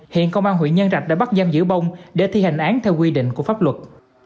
hiện công an huyện nhân trạch đã bắt giam giữ bông để thi hành án theo quy định của pháp luật